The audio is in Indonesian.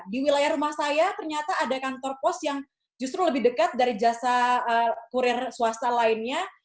di wilayah rumah saya ternyata ada kantor pos yang justru lebih dekat dari jasa kurir swasta lainnya